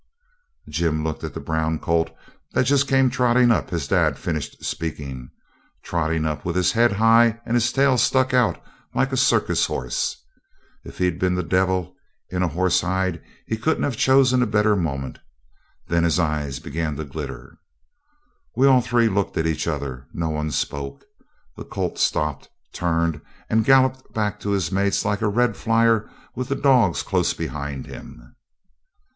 Jim looked at the brown colt that just came trotting up as dad finished speaking trotting up with his head high and his tail stuck out like a circus horse. If he'd been the devil in a horsehide he couldn't have chosen a better moment. Then his eyes began to glitter. We all three looked at each other. No one spoke. The colt stopped, turned, and galloped back to his mates like a red flyer with the dogs close behind him.